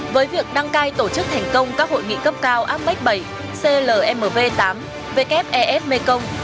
với việc đăng cai tổ chức thành công các hội nghị cấp cao amex bảy clmv tám wfes mekong